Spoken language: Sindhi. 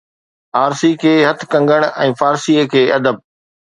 ارسي کي هٿ ڪنگڻ ۽ فارسيءَ کي ادب